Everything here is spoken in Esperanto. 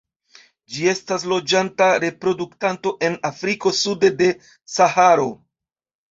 Ĝi estas loĝanta reproduktanto en Afriko sude de Saharo.